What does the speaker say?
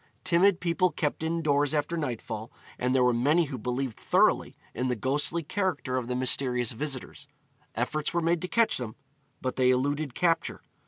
Timid people kept indoors after nightfall, and there were many who believed thoroughly in the ghostly character of the mysterious visitors. Efforts were made to catch them, but they eluded capture.